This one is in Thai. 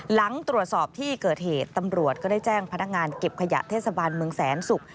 หลังตรวจสอบที่เกิดเหตุตำรวจก็ได้แจ้งพนักงานเก็บขยะเทศบาลเมืองแสนศุกร์